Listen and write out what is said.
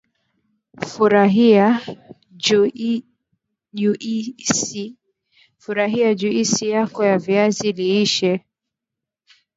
furahia juisi yako ya viazi lishe